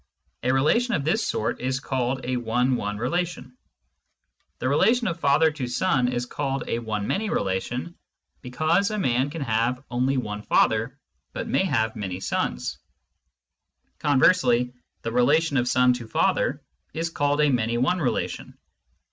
A relation of this sort is called a one one relation. The relation of father to son is called a one many relation, because a man can have only one father but may have many sons ; conversely, the relation of son to father is called a many one relation.